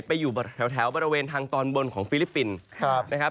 อยู่แถวบริเวณทางตอนบนของฟิลิปปินส์นะครับ